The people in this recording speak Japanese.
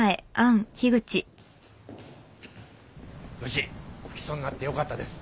無事不起訴になってよかったです。